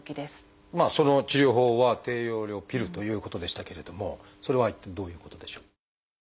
その治療法は低用量ピルということでしたけれどもそれは一体どういうことでしょう？